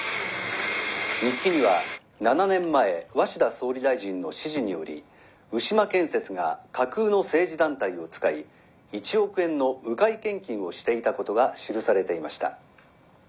日記には７年前鷲田総理大臣の指示により牛間建設が架空の政治団体を使い１億円の迂回献金をしていたことが記されていました。